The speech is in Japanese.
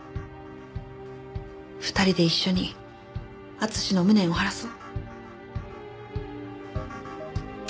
２人で一緒に敦の無念を晴らそう。